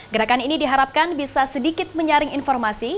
gerakan ini diharapkan bisa sedikit menyaring informasi